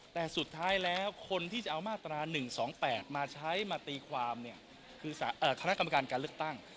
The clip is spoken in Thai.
แต่สุดท้ายแล้วคนที่จะเอามาตรา๑๒๘มาใช้มาตีความเนี่ยคือคณะกรรมการการเลือกตั้ง